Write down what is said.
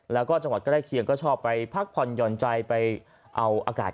แล้วก็จังหวัดใกล้เคียงก็ชอบไปพักผ่อนหย่อนใจไปเอาอากาศ